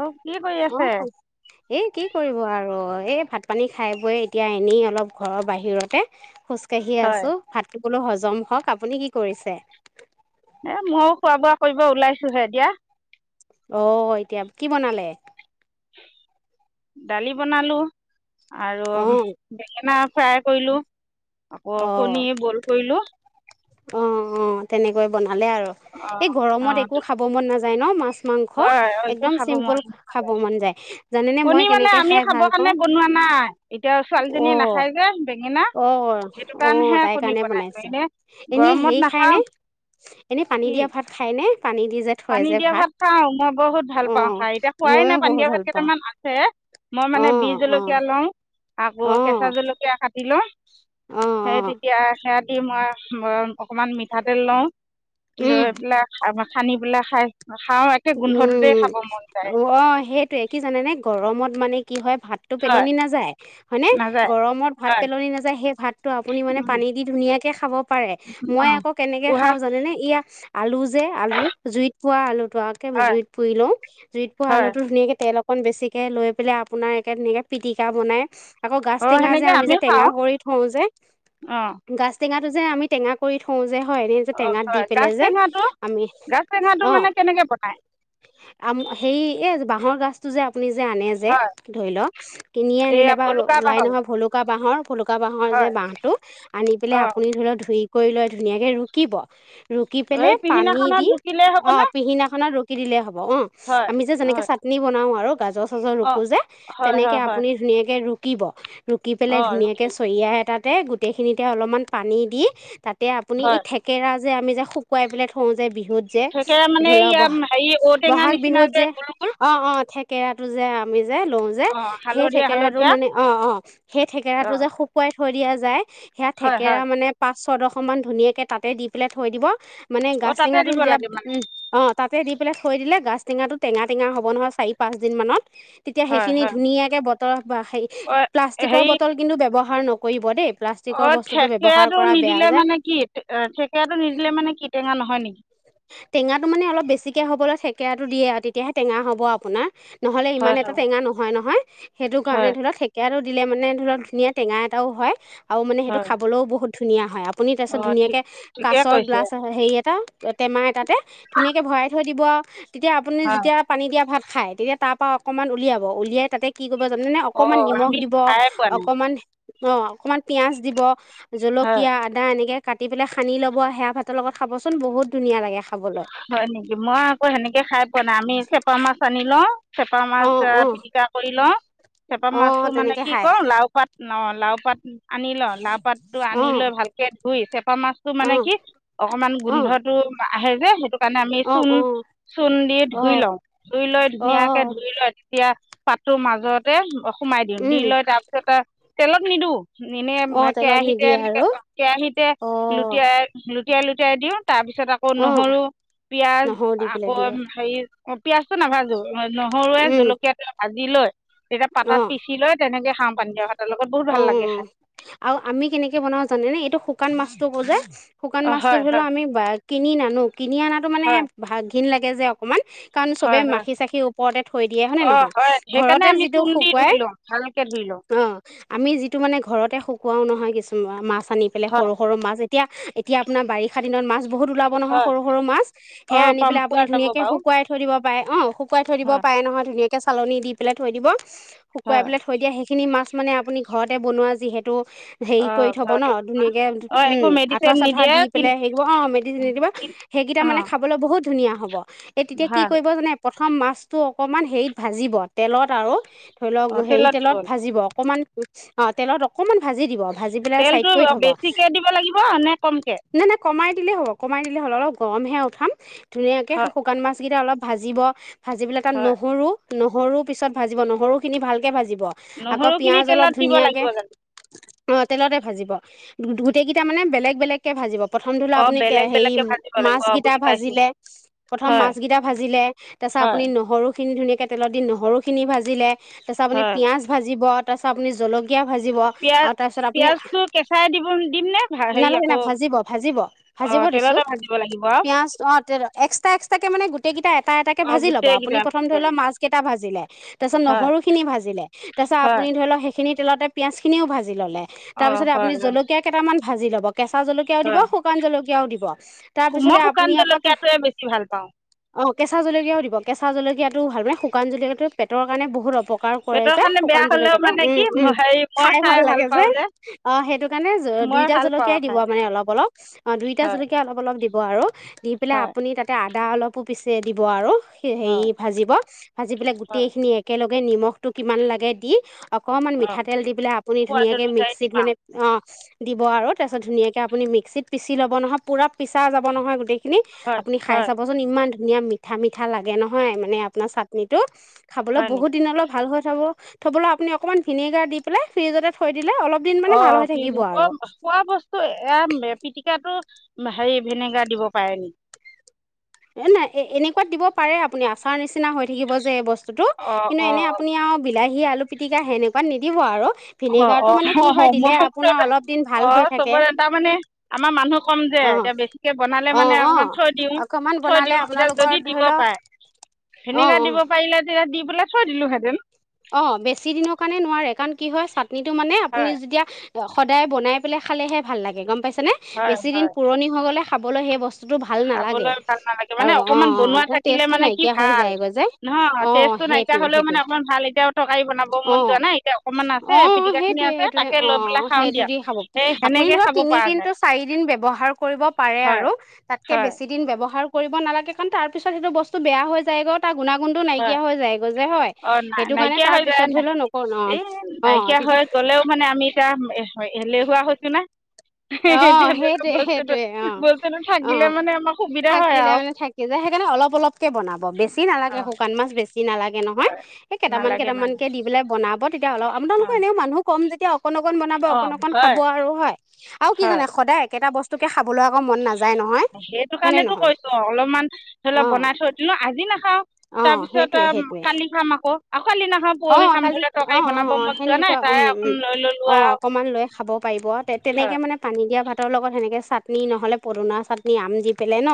অ কি কৰি আছে অ', এ কি কৰিব আৰু এই ভাত পানী খাই বৈ, এতিয়া এনেই অলপ ঘৰৰ বাহিৰতে খোজকাঢ়ি হয় আছোঁ ভাত বোলো হজম হওক আপুনি কি কৰিছে? এ ময়ো খোৱা বোৱা কৰিব উলাইছোহে এ দিয়া অ', এতিয়া কি বনালে? দালি বনালো আৰু অ' বেঙেনা। ফ্ৰাই কৰিলো আকৌ অ' কণী বইল কৰিলো। অ', অ', তেনেকৈ বনালে আৰু অ এই অ গৰমত একো খাব মন নাযায় ন মাছ মাংস হয় একো একদম খাব মন চিম্পুল খাব মন যায় জানেনে কণী মই মানে কেনেকে আমি খাই খাবৰ ভাল কাৰণে পাওঁ? [inaudible] বনোৱা নাই এতিয়া ছোৱালীজনীয়ে অ' নাখায় যে বেঙেনা অহ সেইটো অহ কাৰণেহে তাইৰ কণী কাৰণে বনাইছো বনাইছে, এনে এনে গৰমত হেৰি খাই নাখাও নে, এনেই পানী কি দিয়া ভাত খাই নে? পানী দিয়া ভাত খাওঁ মই বহুত ভাল পাওঁ অ', খাই এতিয়া খোৱাই মইও নাই পানী বহুত দিয়া ভাত ভাল পাওঁ। কেইটামান আছে মই অ', মানে বিজ জলকীয়া অ', লওঁ। আকৌ কেঁচা অ', জলকীয়া কাটি লওঁ, অ', সেই অ', তেতিয়া সে মই অকণমান মিঠাতেল লওঁ, লৈ উম, পেলাই খান্দি পেলাই খাই খাওঁ একে গোন্ধটোতেই উম খাব মন যায় অ' সেইটোয়ে কি জানে নে গৰমত মানে কি হয় ভাতটো হয় পেলনি নাযায় হয়নে, নাযায় গৰমত ভাত হয় পেলনি নাযায় সেই ভাতটো আপুনি মানে পানী দি ধুনীয়াকে খাব পাৰে, মই অঁ আকৌ কেনেকে উহা খাও জান নে ইয়াক আলু যে আলু জুইত পোৱা আলুটো আৰু হয় জুইত পুৰি লওঁ জুইত পু হয় আলুটো ধুনীয়াকে তেল অকন বেছিকে লৈ পেলাই আপোনাৰ একে ধুনিয়াকে পিটিকা বনাই আকৌ গাজ অঁ টেঙা যে সেনেকৈ আমি যে আমিও টেঙা খাওঁ কৰি থওঁ যে অঁ গাছ টেঙা যে আমি টেঙা কৰি থওঁ যে হয় এনে যে অঁ টেঙাত দি হয় পেলে গাজ যে টেঙাটো আমি গাজ টেঙাটো অ', মানে কেনেকৈ বনায় আম হেৰি এ বাঁহৰ গাছটো যে আপুনি যে আনে যে হয় ধৰি লওক কিনিয়ে এইয়া আনিলে বা বলুকা ওলাই বাহৰ নহয় ভুলুকা বাঁহৰ, ভলুকা বাঁহৰ যে হয় বাঁহটো আনি পেলাই অঁ আপুনি ধৰি লওক ধুই কৰি লৈ ধুনীয়াকে ৰুকিব ৰুকি পেলে এই পানী পিছদিনাখনত দি ৰুকিলেই হ'বনে অ' পিহিনা ৰকি দিলে হ'ব অ' হয় আমি যেনেকে হয় চাটনি বনাও আৰু গাজৰ চাজৰ অঁ ৰুকো যে হয় তেনেকে হয় হয় আপুনি ধুনীয়াকে ৰুকিব। ৰুকি পেলাই অঁ ধুনীয়াকৈ ৰুকিম চৰিয়া এটাতে গোটেইখিনিতে অলপমান পানী দি তাতে আপুনি হয় এই থেকেৰা যে আমি যে শুকুৱাই পেলাই থওঁ যে বিহুত যে তাকে মানে ধৰি লওক ইয়াত বহাগ হেৰি ঔটেঙা বহাগ নিচিনা বিহুত যে গোল গোল অ', অ', থেকেৰাতটো যে আমি যে লওঁ যে অঁ সেই হালধীয়া থেকেৰাটো হালধীয়া মানে অ', অ', সেই থঠেকেৰাটো অঁ যে শুকুৱাই থৈ দিয়া যায় সেয়া হয় থেকেৰা হয় মানে পাঁচ ছয়দশ মান ধুনীয়াকে তাতে দি পেলাই থৈ দিব মানে অঁ গাচ তাতে টেঙাটো দিব যেতিয়া লাগে মানে উম অ' তাতে দি পেলাই থৈ দিলে গাছ টঙাটো টেঙা টেঙা হ'ব নহয় চাৰি পাঁচদিন মানত তেতিয়া হয় সেইখিনি হয় ধুনীয়াকে বটল অঁ প্লাষ্টিকৰ বটল কিন্তু ব্যৱহ হাৰ নকৰিব দেই। প্লাষ্টিকৰ অ' বস্তুটো ব্যৱহাৰ থেকেৰাটো কৰা বেয়া নিদিলে যে মানে কি থেকেৰাটো নিদিলে মানে কি টেঙা নহয় নেকি? টেঙাটো মানে অলপ বেছিকে হ'বলৈ থেকেৰাটো দিয়ে আৰু তেতিয়াহে টেঙা হ'ব আপোনাৰ। নহ'লে ইমান হয় হয় এটা টেঙা নহয় নহয়, সেইটো হয় কাৰণে ধৰি লওক সেকে আৰু দিলে মানে ধৰি ধুনীয়া টেঙা এটাও হয়, আৰু মানে সেইটো হয় খাবলৈও বহুত ধুনীয়া হয় আপুনি তাৰপিছত অঁ ঠিক ধুনীয়াকে ঠিকে কাছৰ কৈছে গ্লাছ হেৰি এটা টেমা এতাতে ধুনীয়াকৈ ভৰাই থৈ দিব আৰু তেতিয়া আপুনি হয় যেতিয়া পানী দিয়া ভাত খাই তেতিয়া তাৰপৰা অকণমান উলিয়াব উলিয়াই তাতে কি জানেনে অকমান অঁ নিমখ আমি দিব খায়ে পোৱা নাই অকমান অ' অকমান পিয়য়াজ দিব হয় জলকীয়া আদা এনেকৈ কাটি পেলাই সানি ল'ব সেয়া ভাতৰ লগত খাবচোন বহুত ধুনীয়া লাগে। খাবলৈ হয় নেকি, মই আকৌ সেনেকে খাই পোৱা নাই আমি চেপা মাছ আনি লওঁ। চেপা অ মাছ অ পিটিকা কৰি লওঁ, চেপা অ মাছতটো মানে তেনেকে কি খাই কওঁ লাও পাত অ' লাও পাত আনি লওঁ লাও পাতটো অ আনি লৈ ভালকে ধুই চেপা মাছতটো অ মানে কি অকমান অ গোন্ধটো আহে যে সেইটো কাৰণে আমি অ চূণ অ চূণ দি অ ধুই লওঁ ধুই লৈ অ ধুনীয়াকে ধুই লৈ তেতিয়া পাতৰ মাজতে সোমাই দিওঁ দি উম লৈ তাৰ পিছত তেলত নিদওঁ। এনে অ তেলত কেৰাহিতে নিদিয়ে এনেকে আৰু কেৰাহিতে অ লুটিয়াই লুটিয়াই লুটিয়াই দিও। তাৰ পিছত আকৌ অ নহৰু পিয়াজ নহৰু দি পেলাই আকৌ দিয়ে হেৰি অ' পিয়াজটো নাভাজো নহৰুৱে উম জলকীয়াটো ভাজি লৈ তেতিয়া অ পাতাত পিচি লৈ তেনেকে খাওঁ পানী দিয়া ভাত। অ' আৰু আমি কেনেকে বনাওঁ জানে নে এইটো শুকান মাছটো কল যে শুকান অ মাছটো হয় ধৰি হয় লও আমি বা কিনি নানো, কিনি অনাটো মানে হয় ভাগ ঘিন লাগে যে অকমান। কাৰণ হয় চবে হয় মাখি চাখি ওপৰতে থৈ দিয়ে হয়নে অ নহয়? হয় সেইকাৰণে ঘৰতে আমি যিটো চূণ দি ধুই শুকুৱাই লওঁ ভালকে ধুই লওঁ অ' আমি যিটো মানে ঘৰতে শুকোৱাও নহয় কিছুমা, মাছ আনি পেলাই হয় সৰু সৰু মাছ তিয়া, এতিয়া আপোনাৰ বাৰিষা দিনত মাছ বহুত ওলাব নহয় হয় সৰু সৰু মাছ, অ সেয়া আনি পাম পেলাই আপুনি পোৱা যাব ধুনীয়াকে বাৰু শুকুৱাই থৈ দিব পাৰে অ' শু কুৱাই থৈ দিব হয় পায়ে নহয় ধুনীয়াকে চালনি দি পেলাই থৈ দিব, শুকুৱাই হয় পেলাই থৈ দিয়ে হেখিনি মাছ মানে আপুনি ঘৰতে বনোৱা যিহেতু। হেই অ কই থ'ব ন ঘৰতো ধুনীয়াকে অ উ একো আঠুৱা মেডিচিন চাঠুৱা নিদিয়ে দি কিন পেলাই হেই কইব, অ' মেডিচিন দি দিব। কিন হেগিটা অ মানে খাবলৈ বহুত ধুনীয়া হ'ব। এ তেতিয়া কি ভাল কৰিব জানে? প্ৰথম মাছটো অকণমান হেৰিত ভাজিব তেলত আৰু ধৰি লওক অ হেৰি দিব তেলত ভাজিব অকণমান অ' তেলত অকণমান ভাজি দিব। ভাজি পেলায় চাইড তেলটো কৰি থব, বেছিকে দিব লাগিব নে কমকে ন না কমাই দিলেই হ'ব কমাই দিলেই হ'ল অলপ গৰম হে উঠাম ধুনীয়াকে হয় শুকান মাছ কেইটা অলপ ভাজিব। ভাজিবে তাত হয় নহৰু নহৰু পিছত ভাজিব নহৰুখিনি ভালকে ভাজিব আকৌ নহৰুখিনি পিয়াজ অলপ তেলত দিব ধুনীয়াকে লাগিব অ' তেলতে ভাজিব গোটেই কেইটা মানে বেলেগ বেলেগকে ভাজিব। প্ৰথম ধৰি লও অ আপুনি তে বেলেগ হেৰি বেলেগকে ভাজিব লাগিব মাছ অ কেইটা বুজি পাইছো ভাজিলে, প্ৰথম হয় মাছ কেইটা ভাজিলে ছা হয় আপুনি নহৰু খিন ধুনীয়াকে তেলত দি নহৰুখিনি ভাজিলে, তাছ' আপুনি হয় পিয়াজ ভাজিব, তাছ' আপুনি জল কীয়া ভাজিব পিয়াজ আও তাছত আপুনি, পিয়াজটো কেঁচাই দিব দিম নে ভা হেৰি নালাগে নাই আকৌ ভাজিব, ভাজিব। অ ভাজিব দিছোঁ। তেলতে ভাজিব লাগিব আৰু পিয়াজ অ' তেল, এক্সট্ৰা এক্সট্ৰাকে মানে গোটেইগিতা এটা এটাকে অ ভাজি ল'ব আপু নি গোটেইকেইটা প্ৰথম ধই ল হয় মাছকেটা ভাজিলে, তাছত নহৰুখিনি ভাজিলে, তাছ' হয় আপুনি ধই ল হেখিনি তেলতে পিয়াজখিনিও ভাজি ল'লে, অ তাপিছতে আপুনি হয় হয় জলকীয়া কেইটামান ভাজি ল'ব। কেঁচা জলকীয়াও দিব, হয় শুকান জলকীয়াও দিব, শু- মই তাৰপিছতে শুকান আপুনি আকৌ ত জলকীয়াটোৱে বেছি ভাল পাওঁ অ' কেঁচা জলকীয়াও দিব। কেঁচা জলকীয়াটো ভাল মানে শুকান জলকীয়াটো পেটৰ কাৰণে বহুত অপ কাৰ কৰে পেটৰ যে, কাৰণে বেয়া শুকান জল হলেও এটো। মানে উ, কি উ ম- হেৰি মই খাই ভাল লাগে যে, পাওঁ অ' হেটো কাণে জ, মই দুইটা ভাল পাওঁ জলকীয়াই দিব খাই মানে। অলপ, অলপ। অ' দুইটৃ হয় জলকীয়া অলপ, অলপ দি ব আৰু দি পেলাই হয় আপুনি তাতে আদা অলপো পিচে দিব আৰু। সে হেই হয় ভাজিব, ভাজি পেলাই হয় গোটেইখিনি একেলগে নিমখটো কিমান লাগে দি অকমান অ মিঠাতেল দি পেলাই আপুনি সোৱাদ ধুনীয়াকে অনুযায়ী মিক্সিত দিম মানে আৰু অ'। দিব আৰু তাছত ধুনীয়াকে আপুনি মিক্সিত পিচি ল'ব নহয় পুৰা পিছা যাব নহয় গোটেই খিনি হয় আপুনি খাই হয় চাবচোন ইমান ধুনীয়া মিঠা মিঠা লাগে নহয় মানে আপোনা চাটনিটো। খাবলৈ হয় নেকি বহুত দিনলৈ ভাল হৈ থাব। থ'বলৈ আপুনি অকমান ভিনেগাৰ দি পেলাই ফ্ৰিজতে থৈ দিলে অলপ দিন মানে ভাল হৈ অ' কি থাকিব যে, আৰু অ' খোৱা বস্তু এয়া এ পিতিক কেয়াটো হেই ভিনেগাৰ দিব পায়ে নি? এ নাই, এ-এনেকুৱাত দিব পাৰে আপুনি, আচাৰ নিচিনা হৈ থাকিব যে এই বচ তোটো অ কিন্তু অ এনেই আপুনি আও বিলাহী আলু পিটিকা হেনেকুৱাত নিদিব আৰু। অ' ভিনেগাৰটো অ' মানে হ, কি হ হয় দিলে মই বোলো আপোনাৰ এটা, অলপ দিন ভাল হৈ অ' থাকে চবৰে তামানে আমাৰ মানুহ কম যে, অঁ এতিয়া বেছিকে বনালে অঁ মানে অঁ অকমান থৈ দিওঁ, অকণমান থৈ বনালে দিওঁ। এতিয়া আপোনালোকৰ যদি ধৰি দিব লওক পাই অঁ ভিনেগা অঁ দিব পাৰিলে তেতিয়া দি পেলাই থৈ দিলোঁহেতেন। অ' বেছি দিনৰ কাৰণে নোৱাৰে, কাৰণ কি হয় চাটনিটো মানে আপুনি হয় যেতিয়া উৱ সদায় বনাই পেলাই খালেহে ভাল লাগে গম পাইছা নে? হয় বেছি হয় দিন পুৰণি হৈ গ'লে খাবলৈ হেই বচ তোটো ভাল নালাগে খাবলৈ ভাল নালাগে মানে আৰু অ' অকণমান অ' বনোৱা থাকিলে তে-তেচটো মানে কি নাইকিয়া হয় ভাল যায়গৈ যে, নহয় অ'। টেষ্টটো নাইকিয়া হেটোৱে, হ'লেও মানে হেটোৱে। অকণমান ভাল এতিয়া তৰকাৰী বনাব মন যোৱা অ'। নাই এতিয়া অকণমান আছে অ' পিটিকাখিনি হেটোৱে আছে হেটোৱে, তাকে অ' লৈ পেলাই খাওঁ হেটো দিয়ক দি খাৱ সেই আপুনি সেনেকে ধৰক খাব পৰা তিনিদিনটো যায় চাৰি দিন ব্যৱহাৰ কৰিব পাৰে হয় আৰু তাত কে হয় বেছি দিন ব্যৱহাৰ কৰিব নালাগে কাণ তাৰপিছত হেটো বস্তু বেয়া হৈ যায়গৈ। তা গুণাগুণটো নাইকিয়া হৈ যায়গৈ যে হয়। সেইটো কাৰণে না-নাইকিয়া তাৰ হৈ পিছত যায় ধৰি নাহ, লওক নকৰো এই অ নাইকিয়া অ হৈ গলেওঁ মানে আমি এতিয়া এহ হেই এলেহোৱা হৈছে নে? অ', সেইটোয়ে সেইটোয়ে অ', বস্তুটো থাকিলে অ', মানে আমাৰ সুবিধা হয় থাকিলে আৰু মানে থাকি যায় সেতে অ', অলপ অলপকে বনাব বেছি নালাগে অঁ শুকান মাছ বেছি নালাগে নহয়, হয় এ কেইটামান নালাগে কেইটামান নালাগে কে দি পেলাই বনাম তেতিয়া হ'লে আপোনালোকৰ অঁ এনেও মানুহ কম যেতিয়া অকণ অকণ বনাব অঁ অকন অকণ খাব হয় আৰু হয়। আৰু কি হয় জানা সদায় একেটা বস্তুকে খাবলৈ আকৌ মন নাযায় নহয় সেইটো হয় নে কাৰণেতো নহয়? কৈছো অলপমান ধৰি লওক অ', বনাই থৈ দিলো আজি নাখাওঁ অ', তাৰপিছত সেইটোৱে সেইটোৱে। কালি খাম আকৌ আকৌ কালি নাখাওঁ অ, পৰহি খাম কালি ধৰি লওক তৰকাৰী অ', অ', বনাব অ', মন যোৱা সেনেকুৱা নাই উম, তাৰে অকণ উম, লৈ ললো অ', আৰু অকমান লৈ খাব পাৰিব। উৱ তে-তেনেকে মানে পানী দিয়া ভাতৰ লগত হেনেকে চাটনি নহ'লে পদনা চাটনি আম দি পেলে ন।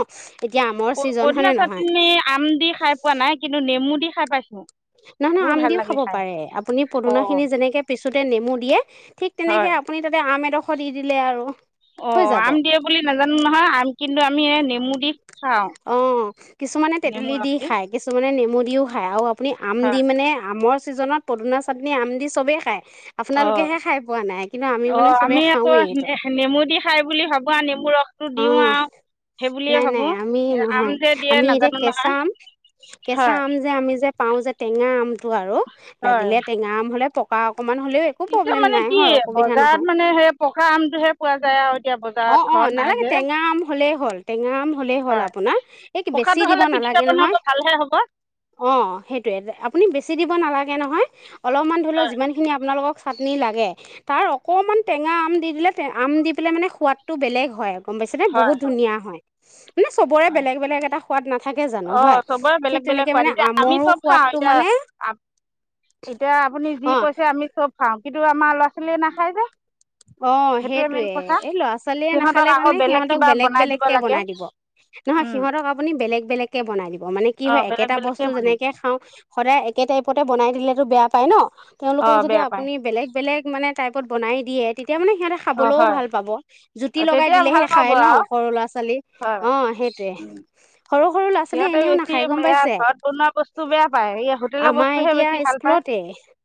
এতিয়া আমৰ ছিজন প-পদিনা হয়নে নহয় চাটনি আম দি খাই পোৱা নাই কিন্তু নেমু দি খাই পাইছোঁ। নহ ন আম দিওঁ খাব পাৰে। আপুনি অ পদুনা খিনি যেনেকে পিছোতে নেমু দিয়ে ঠিক হয় তেনেকে আপুনি তাতে আম এডখ দি দিলে আৰু। হৈ অ' যাব আম দিয়ে বুলি নাজানো নহয়। আম কিন্তু আমি এই নেমু দি খাওঁ অ' কিছুমানে নেমু তেতেলি ৰস দি খায়, কিছুমানে নেমু দিওঁ খায় আও আপ নি আম দি হয় মানে, আমৰ ছিজনত পদুনা চাটনি আম দি চবেই খায়। অ'। আপোনালোকেহে খাই পোৱা নাই কিন্তু আমি মানে অ' চবেই আমি আকৌ খাওঁৱেই এইটো নেহ-নেমু দি খাই বুলি ভাবো আও নেমু ৰস টো দিওঁ অ আও। নাই নাই আমি নহয় দিয়ে আমি এতিয়া নাজানো কেঁচা নহয় আম কেঁচা হয় আম যে আমি যে পাওঁ যে টেঙা আমটো আৰু হয় লাগিলে টেঙা আম হলে পকা অকমান হ'লেও একো এতিয়া প্ৰব্লেম মানে নাই কি হয় অসুবিধা বজাৰত নহয়। মানে সেই পকা আমটোহে পোৱা যায় আৰু এতিয়া বজাৰত অ', অ', ঘৰত নাই নালাগে যে টেঙা আম হলেই হল, টেঙা আম হলেই হ'ল আপোনাৰ এই বেছি দিব নালাগে কিবা বনাব নহয় ভালহে হ'ব। অ', সেইটোৱে আপুনি বেছি দিব নালাগে নহয় অলপমান ধৰি লওক হয় যিমানখিনি আপোনালোকক চাটনি লাগে তাৰ অকণমান টেঙা আম দি দিলে আম দি পেলাই মানে সোৱাদটো বেলেগ হয়। গম পাইছে নে হয় বহুত ধুনীয়া হয়। মানে চবৰে বেলেগ বেলেগ এটা সোৱাদ নাথাকে জানো হয় অ', চবৰে ঠিক বেলেগ বেলেগ তেনেকে সোৱাদ, মানে এতিয়া আমি আমৰো চব খাওঁ সোৱাদটো এতিয়া মানে এতিয়া আপুনি যি অ কৈছে আমি চব খাওঁ কিন্তু আমাৰ ল'ৰা ছোৱালীয়ে নাখায় যে। [inaudible] অ', সেইটোৱে মেইন কথা এই ল'ৰা ছোৱালীয়ে সিহঁতক নাখালে আকৌ কাৰণে সিহঁতক কিবা বেলেগ বনাই দিব বেলেগকে লাগে বনাই দিব। নহয় উম সিহঁতক আপুনি বেলেগ বেলেগকে বনাই দিব মানে কি অ হয় বেলেগ একেটা বেলেগকে বস্তু বনাই যেনেকে দিয়ে খাওঁ সদায় একেই টাইপতে বনাই। দিলেতো বেয়া পায় ন' অ তেওঁলোকক যদি বেয়া পায় আপুনি বেলেগ বেলেগ মানে টাইপত বনাই দিয়ে। তেতিয়া মানে সিহঁতে অ খাবলেও হয় ভাল পাব, জুতি অ লগাই তেতিয়া ভাল দিলেহে পাব খায় ন' আৰু সৰু ল'ৰা ছোৱালী হয় অ', সেটোৱে। উম, সৰু সৰু ল'ৰা ছোৱালী সিহঁতে এনেও বেছি নাখায় গম এয়া পাইছে, ঘৰত বনোৱা বস্তু বেয়া পায় এই হোটেলৰ আমাৰ বস্তুহে এতিয়া বেছি ভাল পায় স্কুলত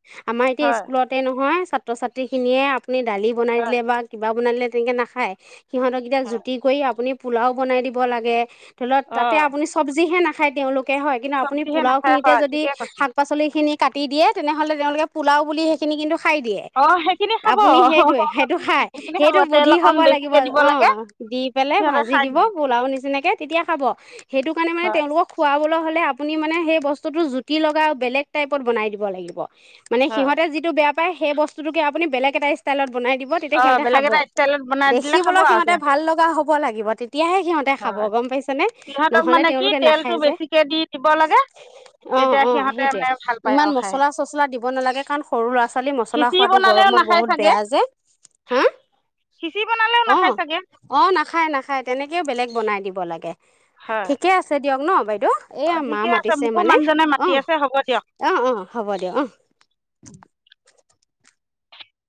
[unintelligible] আমাৰ এতিয়া হয় স্কুলতে নহয় ছাত্ৰ ছাত্ৰীখিনিয়ে আপুনি দালি বনাই হয় দিলে বা কিবা বনাই দিলে তেনেকে নাখায় সিহঁতক এতিয়া হয় জুতি কৰি আপুনি পোলাও বনাই দিব লাগে ধৰি লওক অ তাতে আপুনি চব্জিহে নাখায় তেওঁলোক তে হয় কিন্তু আপুনি চব্জিহে পোলাও নাখায় খিনিতে হয় যদি ঠিকে কৈছে শাক পাচলি খিনি কাটি দিয়ে তেনেহ'লে তেওঁলোকে পোলাও বুলি সেইখিনি কিন্তু খাই দিয়ে অ', সেইখনি আপুনি সেইটোয়ে সেইটো খাই সেইটো তেল বুদ্ধি অকণ হ'ব লাগিব বেছিকে দিব লাগে অ', দি পেলাই সিহঁতে ভাজি খাই দিব পোলাও নিচিনাকে তেতিয়া খাব সেইটো কাৰণে মানে হয় তেওঁলোকক খুৱাব হ'লে আপুনি মানে সেই বস্তুটো জুতি লগা আৰু বেলেগ টাইপত বনাই দিব লাগিব। মানে হয় সিহঁতে যিটো বেয়া পায় সেই বস্তুতোকে আপুনি বেলেগ এটা ষ্টাইলত বনাই দিব তেতিয়া অ সিহঁতে বেলেগ খাব, এটা ষ্টাইলত বনাই দিলে খাব দেখিবলৈও আৰু সিহঁতে ভাল লগা হ'ব লাগিব তেতিয়াহে সিহঁতে খাব হয় গম পাইছে নে সিহঁতক নহলে মানে কি তেওঁলোকে তেলটো নাখাই যে বেছিকে দি দিব লাগে অ', তেতিয়া অ' সিহঁতে সেইটোয়ে, মানে ভাল পায় ইমান আৰু খাই মছলা চচলা দিব নালাগে কাৰণ সৰু ল'ৰা ছোৱালী মছলা খিচিৰি খোৱাতটো বনালেও গৰমত নাখায় বহুত চাগে বেয়া যে হাঁ? খিচিৰি বনালেও নাখায় অ', চাগে। অ', নাখায় নাখায় তেনেকেও বেলেগ বনাই দিব লাগে। হয়। ঠিকে আছে দিয়ক ন। বাইদেউ এয়া অ' মা ঠিকে আছে। মাতিছে মোকো মানে মানুহজনে অ মাতি আছে, হ'ব দিয়ক। অ অ হ'ব দিয়ক অ উম